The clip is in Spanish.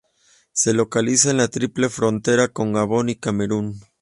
Se localiza en la triple frontera con Gabón y Camerún.